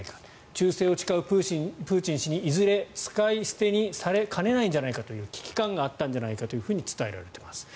忠誠を誓うプーチン氏にいずれ使い捨てにされかねないんじゃないかという危機感があったんじゃないかと伝えられています。